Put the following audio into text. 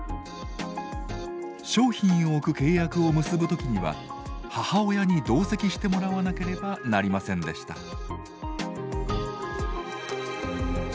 商品を置く契約を結ぶ時には母親に同席してもらわなければなりませんでした。